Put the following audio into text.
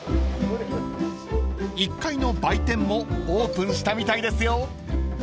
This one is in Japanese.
［１階の売店もオープンしたみたいですよ］